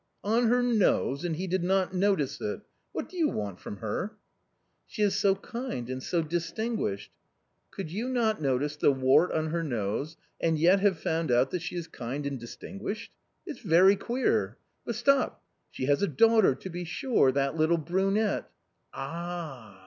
" On her nose, and he did not notice it ! What do you want from her ?"" She is so kind and so distinguished." " Could you not notice the wart on her nose, and yet have found out that she is kind and distinguished ? It's very queer. But stop — she has a daughter to be sure — that little brunette. Ah!